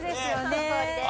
そのとおりです。